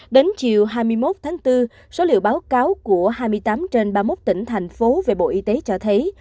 đến chiều hai mươi một tháng bốn số liệu báo cáo của hai mươi tám trên ba mươi một tỉnh thành phố về bộ y tế cho thấy